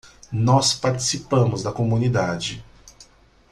Nós participamos da comunidade.